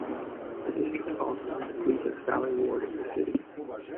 The district falls within the Gleadless Valley ward of the City.